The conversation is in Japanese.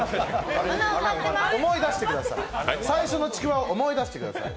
思い出してください、最初のちくわを思い出してください。